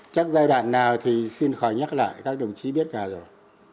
các giai đoạn nào thì xin khỏi nhắc lại các đồng chí biết cả rồi